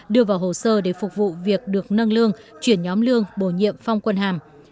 đưa vào hồ sơ để phục vụ việc được nâng lương chuyển nhóm lương bổ nhiệm phong quân hàm